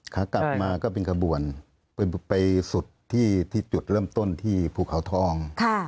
ขากลับมาก็เป็นกระบวนไปสุดที่จุดเริ่มต้นที่ภูเขาทอง